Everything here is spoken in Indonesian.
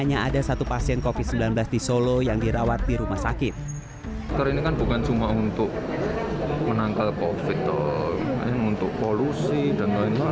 jadi bisa jadi gaya hidup saja ya